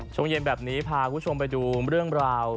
ช่วงเย็นแบบนี้พากลุ่มไปดูเรื่องราว